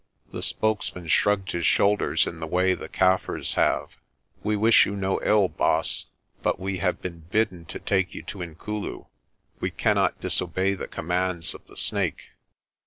The spokesman shrugged his shoulders in the way the Kaffirs have. "We wish you no ill, Baas, but we have been bidden to take you to Inkulu. We cannot disobey the commands of the Snake."